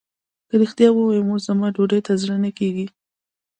که رښتيا ووايم اوس زما ډوډۍ ته زړه نه کېږي.